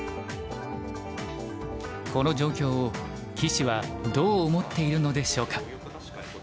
この状況を棋士はどう思っているのでしょうか。